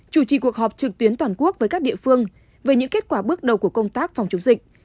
chủ trì cuộc họp trực tuyến toàn quốc với các địa phương về những kết quả bước đầu của công tác phòng chống dịch